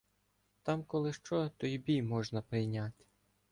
Там коли що, то й бій можна прийняти.